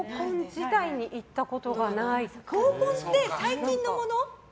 合コンって最近のもの？